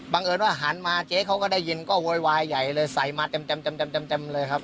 บังเกินว่าหันมาเจ๊ได้ยินโวยวายไยเลยใส่มาเต็มเลยครับ